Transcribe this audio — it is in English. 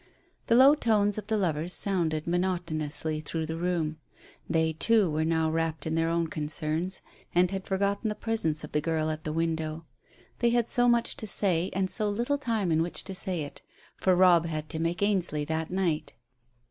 The low tones of the lovers sounded monotonously through the room. They, too, were now wrapt in their own concerns, and had forgotten the presence of the girl at the window. They had so much to say and so little time in which to say it; for Robb had to make Ainsley that night.